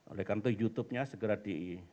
oleh karena itu youtubenya segera di